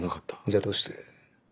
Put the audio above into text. じゃあどうして。